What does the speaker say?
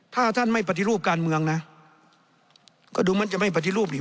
ถ้าท่านไม่ปฏิรูปการเมืองนะก็ดูเหมือนจะไม่ปฏิรูปอีก